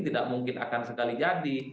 tidak mungkin akan sekali jadi